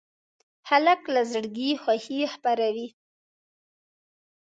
هلک له زړګي خوښي خپروي.